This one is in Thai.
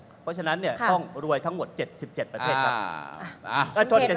เพราะฉะนั้นต้องรวยทั้งหมด๗๗ประเทศครับ